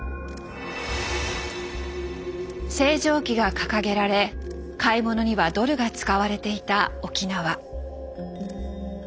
星条旗が掲げられ買い物にはドルが使われていた沖縄。